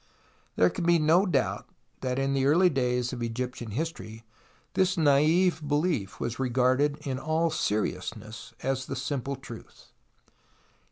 There can be no doubt that in the early days of Egyptian history this naive belief was regarded in all seriousness as the simple truth.